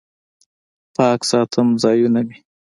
پاک ساتم ځایونه مې